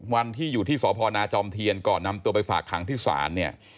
วันที่อยู่ที่สพนาจอมเทียนก่อนนำตัวไปฝากขังที่ศาลเนี่ย